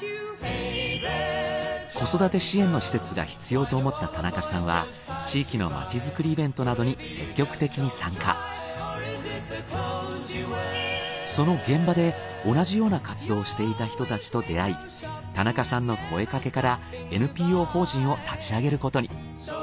子育て支援の施設が必要と思った田中さんは地域のその現場で同じような活動をしていた人たちと出会い田中さんの声かけからＮＰＯ法人を立ち上げることに。